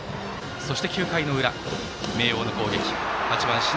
そして９回の裏、明桜の攻撃。